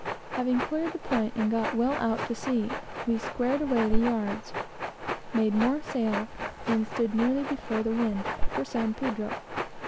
Having cleared the point and got well out to sea, we squared away the yards, made more sail, and stood on, nearly before the wind, for San Pedro.